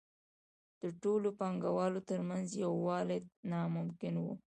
د ټولو پانګوالو ترمنځ یووالی ناممکن وو